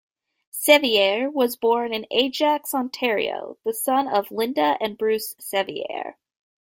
Sevier was born in Ajax, Ontario, the son of Lynda and Bruce Sevier.